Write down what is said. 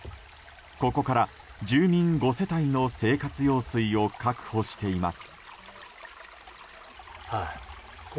ここから住民５世帯の生活用水を確保しています。